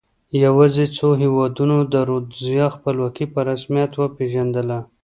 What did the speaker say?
یوازې څو هېوادونو د رودزیا خپلواکي په رسمیت وپېژندله.